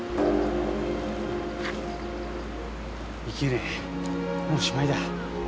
いけねえもうしまいだ。